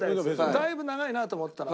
だいぶ長いなと思ったの。